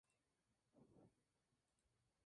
El efecto máximo se alcanza a los seis a diez minutos.